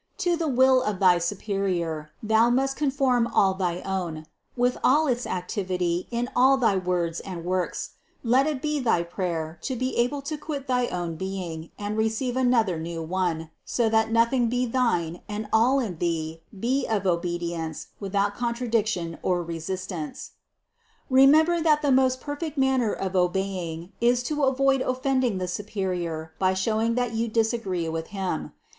To the will of thy superior thou must conform all thy own, with all its activity in all thy words and works ; let it be thy prayer, to be able to quit thy own being and receive another new one, so that noth ing be thine and all in thee be of obedience without con tradiction or resistance. 451. Remember that the most perfect manner of obey ing is to avoid offending the superior by showing that you disagree with him.